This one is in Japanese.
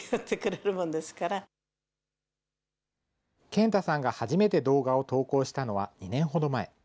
賢太さんが初めて動画を投稿したのは２年ほど前。